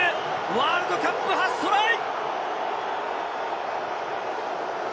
ワールドカップ初トライ！